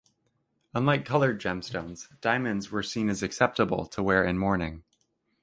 Unlike coloured gemstones, diamonds were seen as acceptable to wear in mourning.